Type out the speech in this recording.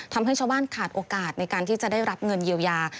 ทำให้ชาวบ้านขาดโอกาสในการที่จะได้รับเงินเยียวยา